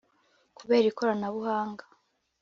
kubera ikoranabuhanga"